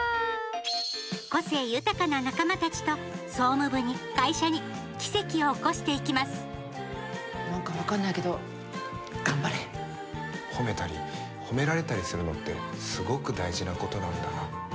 個性豊かな仲間たちと総務部に、会社になんか分かんないけど褒めたり褒められたりするのってすごく大事なことなんだなって。